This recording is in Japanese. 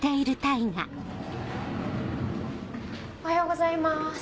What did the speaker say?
おはようございます。